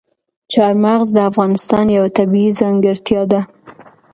چار مغز د افغانستان یوه طبیعي ځانګړتیا ده.